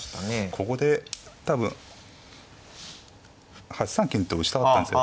ここで多分８三金と打ちたかったんですよ。